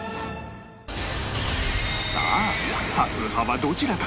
さあ多数派はどちらか？